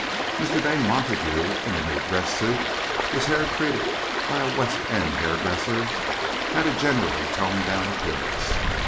Mr. Dane Montague, in a new dress suit, his hair treated by a West End hairdresser, had a generally toned down appearance.